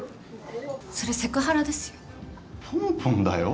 それセクハラですよ。